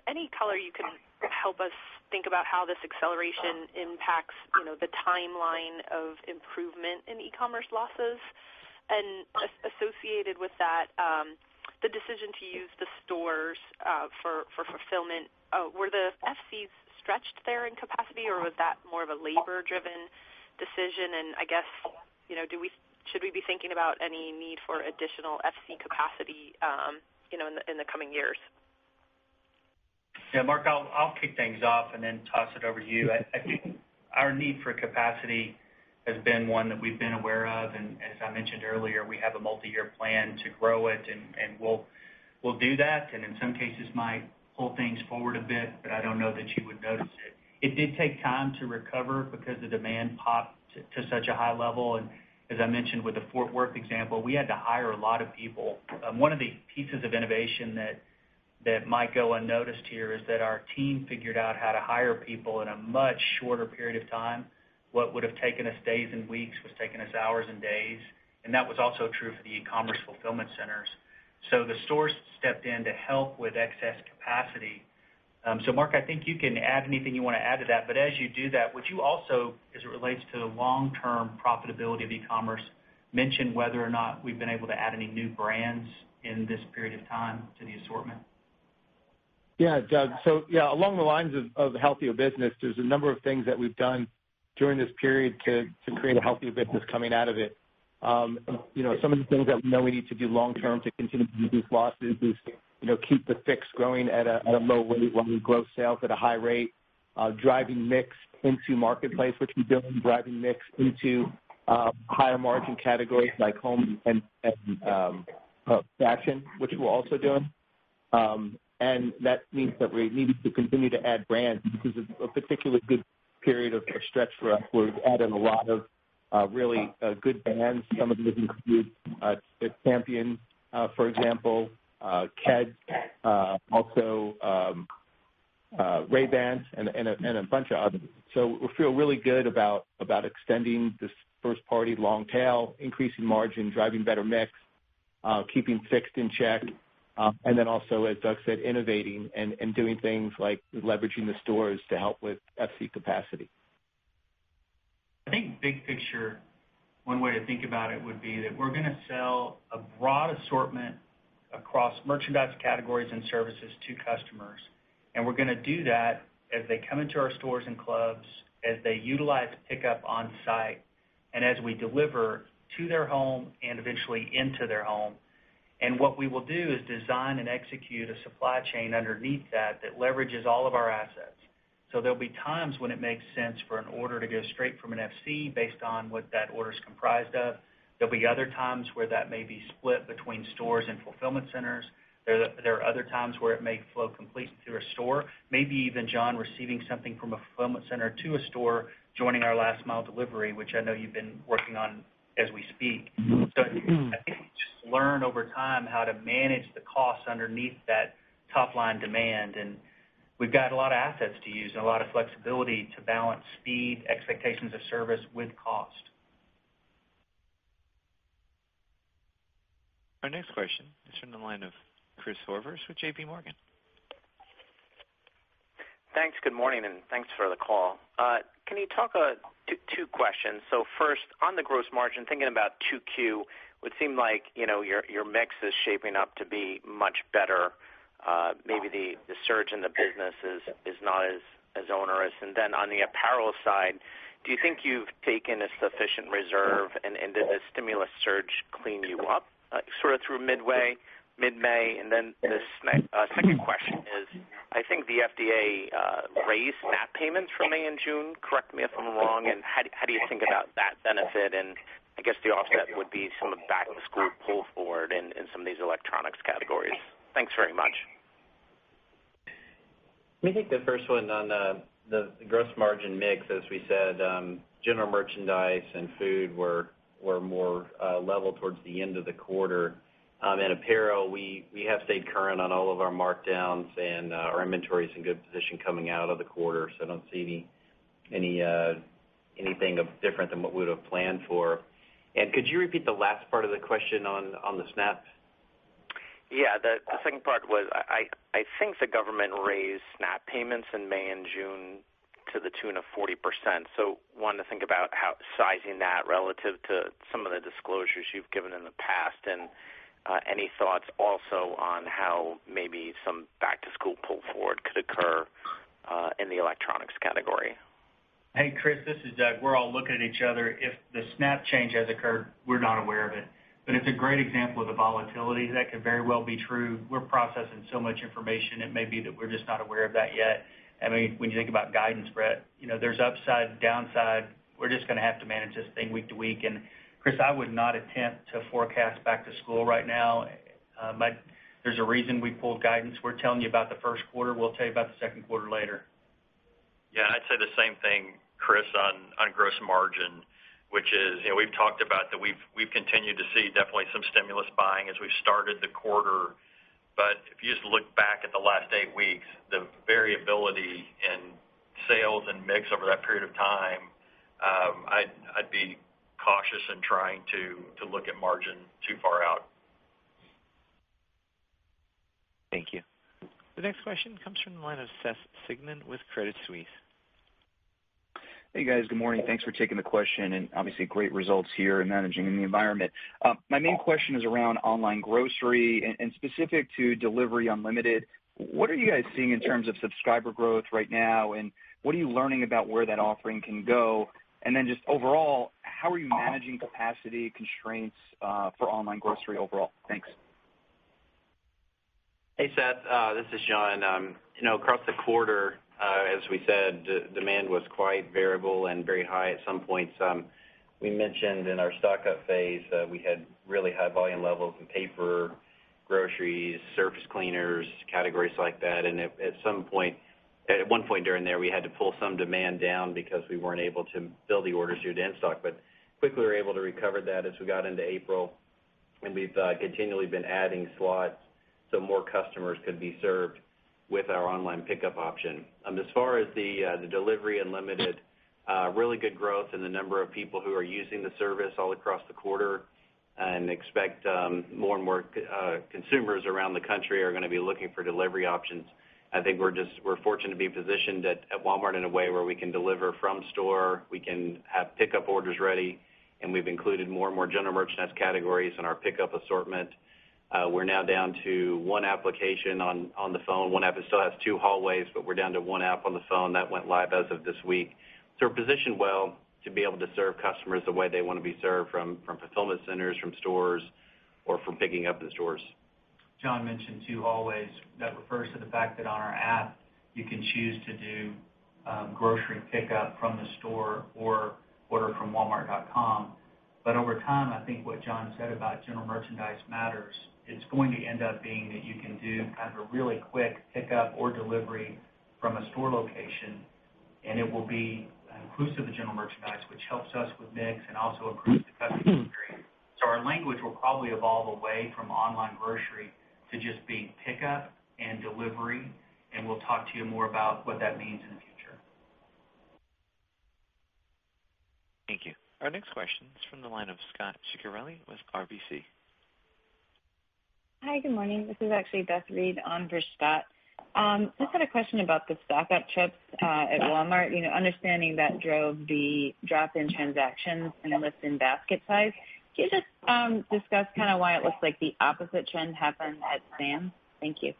any color you can help us think about how this acceleration impacts the timeline of improvement in e-commerce losses? Associated with that, the decision to use the stores for fulfillment, were the FC's stretched there in capacity, or was that more of a labor-driven decision? I guess, should we be thinking about any need for additional FC capacity in the coming years? Yeah, Mark, I'll kick things off and then toss it over to you. I think our need for capacity has been one that we've been aware of, and as I mentioned earlier, we have a multi-year plan to grow it and we'll do that, and in some cases, might pull things forward a bit, but I don't know that you would notice it. It did take time to recover because the demand popped to such a high level, and as I mentioned with the Fort Worth example, we had to hire a lot of people. One of the pieces of innovation that might go unnoticed here is that our team figured out how to hire people in a much shorter period of time. What would've taken us days and weeks was taking us hours and days, and that was also true for the e-commerce fulfillment centers. The stores stepped in to help with excess capacity. Marc, I think you can add anything you want to add to that, but as you do that, would you also, as it relates to the long-term profitability of e-commerce, mention whether or not we've been able to add any new brands in this period of time to the assortment? Yeah, Doug. Yeah, along the lines of healthier business, there's a number of things that we've done during this period to create a healthier business coming out of it. Some of the things that we know we need to do long term to continue to reduce losses, is keep the fixed growing at a low rate while we grow sales at a high rate. Driving mix into marketplace, which we're doing, driving mix into higher margin categories like home and fashion, which we're also doing. That means that we're needing to continue to add brands. This is a particularly good period of stretch for us. We've added a lot of really good brands. Some of those include Champion, for example, Keds, also Ray-Ban, and a bunch of others. We feel really good about extending this first party long tail, increasing margin, driving better mix, keeping fixed in check, and then also, as Doug said, innovating and doing things like leveraging the stores to help with FC capacity. I think big picture, one way to think about it would be that we're going to sell a broad assortment across merchandise categories and services to customers, we're going to do that as they come into our stores and clubs, as they utilize pickup on-site, and as we deliver to their home and eventually into their home. What we will do is design and execute a supply chain underneath that leverages all of our assets. There'll be times when it makes sense for an order to go straight from an FC based on what that order's comprised of. There'll be other times where that may be split between stores and fulfillment centers. There are other times where it may flow completely through a store. Maybe even, John, receiving something from a fulfillment center to a store, joining our last mile delivery, which I know you've been working on as we speak. I think we just learn over time how to manage the costs underneath that top-line demand, and we've got a lot of assets to use and a lot of flexibility to balance speed, expectations of service with cost. Our next question is from the line of Christopher Horvers with JPMorgan. Thanks. Good morning, and thanks for the call. Two questions. First, on the gross margin, thinking about 2Q, would seem like your mix is shaping up to be much better. Maybe the surge in the business is not as onerous. Then on the apparel side, do you think you've taken a sufficient reserve, and did the stimulus surge clean you up sort of through mid-May? Then the second question is, I think the USDA raised SNAP payments for May and June. Correct me if I'm wrong. How do you think about that benefit? I guess the offset would be some of the back-to-school pull forward in some of these electronics categories. Thanks very much. Let me take the first one on the gross margin mix. As we said, general merchandise and food were more level towards the end of the quarter. In apparel, we have stayed current on all of our markdowns, and our inventory's in good position coming out of the quarter. I don't see anything different than what we would've planned for. Could you repeat the last part of the question on the SNAP? Yeah. The second part was, I think the government raised SNAP payments in May and June to the tune of 40%. Wanted to think about sizing that relative to some of the disclosures you've given in the past. Any thoughts also on how maybe some back-to-school pull forward could occur in the electronics category. Hey, Chris, this is Doug. We're all looking at each other. If the SNAP change has occurred, we're not aware of it. It's a great example of the volatility. That could very well be true. We're processing so much information, it may be that we're just not aware of that yet. When you think about guidance, Brett, there's upside, downside. We're just going to have to manage this thing week to week. Chris, I would not attempt to forecast back to school right now. There's a reason we pulled guidance. We're telling you about the first quarter. We'll tell you about the second quarter later. Yeah. I'd say the same thing, Chris, on gross margin, which is, we've talked about that we've continued to see definitely some stimulus buying as we've started the quarter. If you just look back at the last eight weeks, the variability in sales and mix over that period of time, I'd be cautious in trying to look at margin too far out. Thank you. The next question comes from the line of Seth Sigman with Credit Suisse. Hey, guys. Good morning. Thanks for taking the question. Obviously great results here in managing in the environment. My main question is around online grocery and specific to Delivery Unlimited. What are you guys seeing in terms of subscriber growth right now? What are you learning about where that offering can go? Just overall, how are you managing capacity constraints for online grocery overall? Thanks. Hey, Seth. This is John. Across the quarter, as we said, demand was quite variable and very high at some points. We mentioned in our stock-up phase that we had really high volume levels in paper, groceries, surface cleaners, categories like that. At one point during there, we had to pull some demand down because we weren't able to fill the orders due to in-stock. Quickly we were able to recover that as we got into April, and we've continually been adding slots so more customers could be served with our online pickup option. As far as the Delivery Unlimited, really good growth in the number of people who are using the service all across the quarter and expect more and more consumers around the country are going to be looking for delivery options. I think we're fortunate to be positioned at Walmart in a way where we can deliver from store, we can have pickup orders ready, and we've included more and more general merchandise categories in our pickup assortment. We're now down to one application on the phone. One app still has two hallways, but we're down to one app on the phone. That went live as of this week. We're positioned well to be able to serve customers the way they want to be served, from fulfillment centers, from stores, or from picking up in stores. John mentioned two hallways. That refers to the fact that on our app, you can choose to do grocery pickup from the store or order from walmart.com. over time, I think what John said about general merchandise matters. It's going to end up being that you can do kind of a really quick pickup or delivery from a store location, and it will be inclusive of general merchandise, which helps us with mix and also improves the customer experience. our language will probably evolve away from online grocery to just being pickup and delivery, and we'll talk to you more about what that means in the future. Thank you. Our next question is from the line of Scott Ciccarelli with RBC. Hi, good morning. This is actually Beth Reed on for Scott. Just had a question about the stock-up trips at Walmart. Understanding that drove the drop in transactions and the lift in basket size. Can you just discuss why it looks like the opposite trend happened at Sam's? Thank you.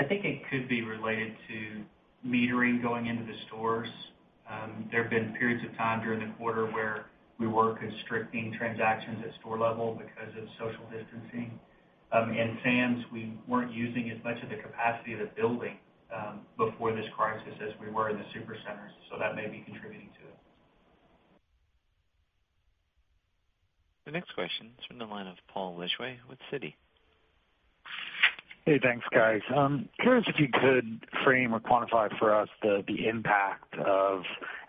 I think it could be related to metering going into the stores. There have been periods of time during the quarter where we were constricting transactions at store level because of social distancing. In Sam's, we weren't using as much of the capacity of the building before this crisis as we were in the supercenters, so that may be contributing to it. The next question is from the line of Paul Lejuez with Citi. Hey, thanks, guys. Curious if you could frame or quantify for us the impact of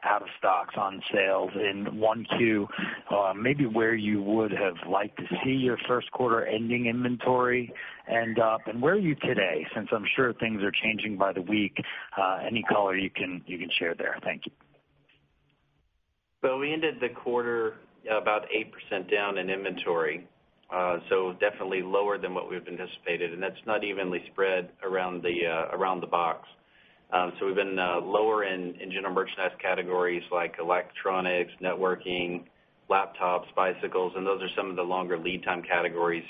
out-of-stocks on sales in 1Q, maybe where you would have liked to see your first quarter ending inventory end up, and where are you today, since I'm sure things are changing by the week. Any color you can share there. Thank you. We ended the quarter about 8% down in inventory. Definitely lower than what we've anticipated, and that's not evenly spread around the box. We've been lower in general merchandise categories like electronics, networking, laptops, bicycles, and those are some of the longer lead time categories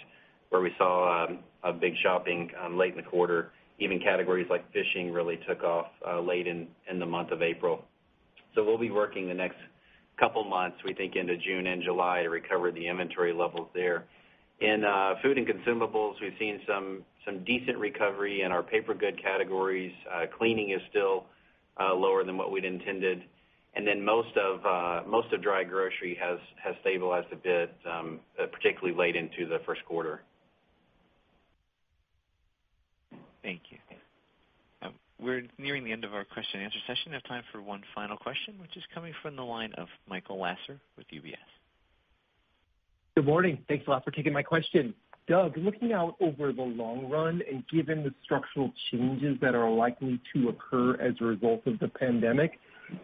where we saw a big shopping late in the quarter. Even categories like fishing really took off late in the month of April. We'll be working the next couple of months, we think into June and July, to recover the inventory levels there. In food and consumables, we've seen some decent recovery in our paper good categories. Cleaning is still lower than what we'd intended. Most of dry grocery has stabilized a bit, particularly late into the first quarter. Thank you. We're nearing the end of our question and answer session. We have time for one final question, which is coming from the line of Michael Lasser with UBS. Good morning. Thanks a lot for taking my question. Doug, looking out over the long run and given the structural changes that are likely to occur as a result of the pandemic,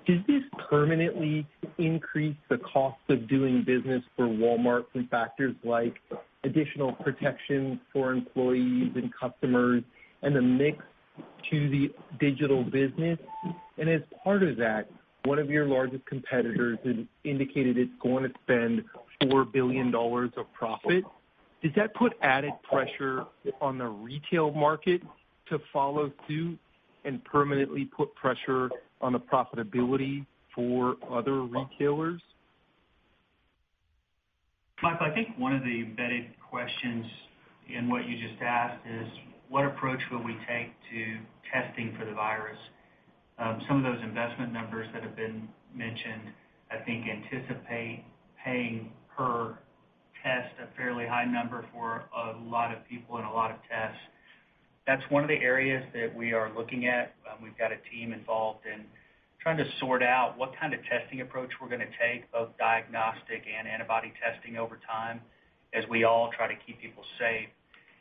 does this permanently increase the cost of doing business for Walmart from factors like additional protections for employees and customers and the mix to the digital business? As part of that, one of your largest competitors has indicated it's going to spend $4 billion of profit. Does that put added pressure on the retail market to follow suit and permanently put pressure on the profitability for other retailers? Michael, I think one of the embedded questions in what you just asked is what approach will we take to testing for the virus? Some of those investment numbers that have been mentioned, I think anticipate paying per test a fairly high number for a lot of people and a lot of tests. That's one of the areas that we are looking at. We've got a team involved in trying to sort out what kind of testing approach we're going to take, both diagnostic and antibody testing over time, as we all try to keep people safe.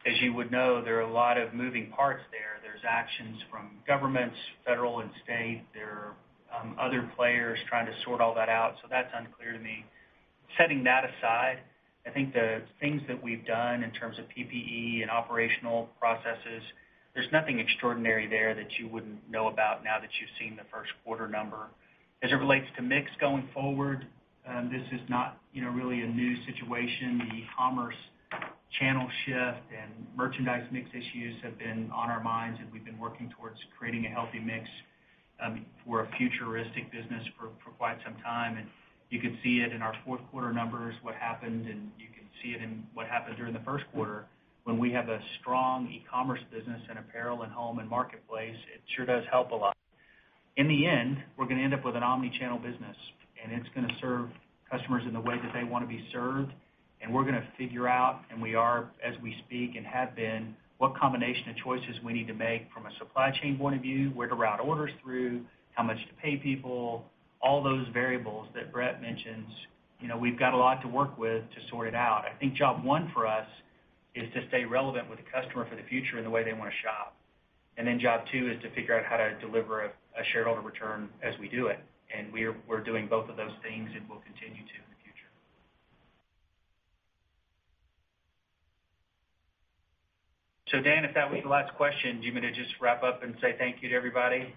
As you would know, there are a lot of moving parts there. There's actions from governments, federal and state. There are other players trying to sort all that out. That's unclear to me. Setting that aside, I think the things that we've done in terms of PPE and operational processes, there's nothing extraordinary there that you wouldn't know about now that you've seen the first quarter number. As it relates to mix going forward, this is not really a new situation. The commerce channel shift and merchandise mix issues have been on our minds, and we've been working towards creating a healthy mix for a futuristic business for quite some time. You could see it in our fourth quarter numbers, what happened, and you can see it in what happened during the first quarter. When we have a strong e-commerce business in apparel and home and marketplace, it sure does help a lot. In the end, we're going to end up with an omni-channel business, and it's going to serve customers in the way that they want to be served. we're going to figure out, and we are as we speak and have been, what combination of choices we need to make from a supply chain point of view, where to route orders through, how much to pay people, all those variables that Brett mentions. We've got a lot to work with to sort it out. I think job one for us is to stay relevant with the customer for the future in the way they want to shop. job two is to figure out how to deliver a shareholder return as we do it. we're doing both of those things and will continue to in the future. Dan, if that was the last question, do you want me to just wrap up and say thank you to everybody?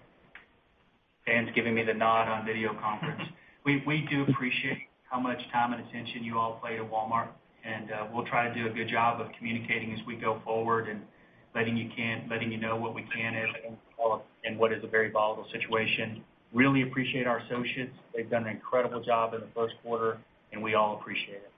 Dan's giving me the nod on video conference. We do appreciate how much time and attention you all pay to Walmart, and we'll try to do a good job of communicating as we go forward and letting you know what we can in what is a very volatile situation. Really appreciate our associates. They've done an incredible job in the first quarter, and we all appreciate it.